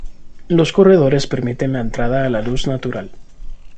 Los corredores permiten la entrada a la luz natural.